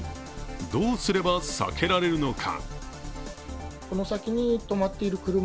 どうすれば避けられるのか。